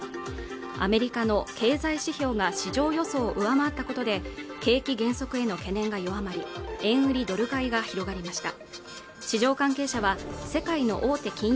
アメリカの経済指標が市場予想を上回ったことで景気減速への懸念が弱まり円売りドル買いが広がりました